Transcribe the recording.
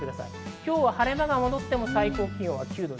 今日は晴れ間が戻っても最高気温９度。